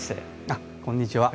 あっこんにちは。